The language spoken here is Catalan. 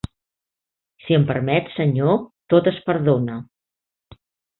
Si em permet, senyor, tot es perdona.